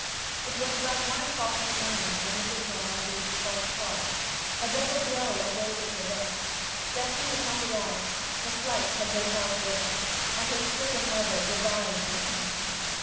It was about one o'clock in the morning when Mrs. Dornell reached Falls Park. A double blow awaited her there. Betty had not arrived; her flight had been elsewhither; and her stricken mother divined with whom.